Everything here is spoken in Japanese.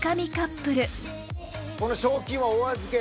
この賞金はお預け。